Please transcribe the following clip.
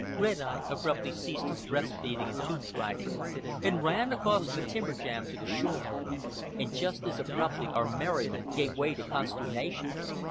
Red Eye abruptly ceased his breast beating and tooth grinding, and ran across the timber jam to the shore. And just as abruptly our merriment gave way to consternation.